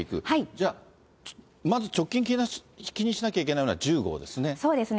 じゃあ、まず直近、気にしなきゃいけないのは１０号ですね。